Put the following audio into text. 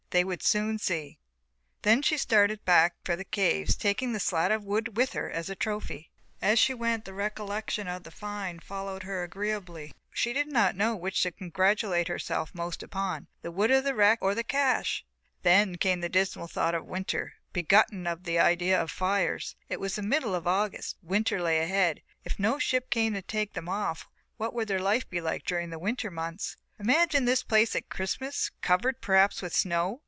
They would soon see. Then she started back for the caves taking the slat of wood with her as a trophy. As she went the recollection of the find followed her agreeably, she did not know which to congratulate herself most upon, the wood of the wreck or the cache. Then came the dismal thought of winter, begotten of the idea of fires. It was the middle of August. Winter lay ahead. If no ship came to take them off what would their life be like during the winter months? Imagine this place at Christmas, covered perhaps with snow!